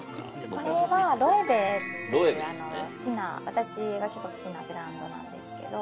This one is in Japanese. これはロエベっていう私が結構好きなブランドなんですけど。